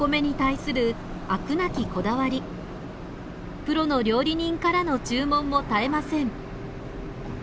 プロの料理人からの注文も絶えません。